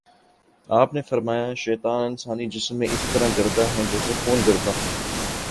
آپ نے فرمایا: شیطان انسانی جسم میں اسی طرح گرداں ہے جیسے خون گرداں ہے